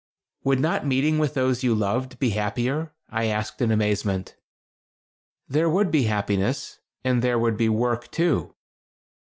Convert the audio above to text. "Would not meeting with those you have loved be happier?" I asked, in amazement. "There would be happiness; and there would be work, too."